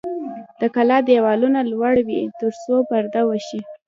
د کلا دیوالونه لوړ وي ترڅو پرده وشي.